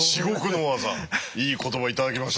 いい言葉頂きました。